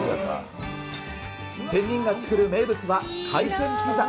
仙人が作る名物は、海鮮ピザ。